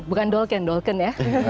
bukan dalken dalken ya